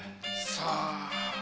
さあ。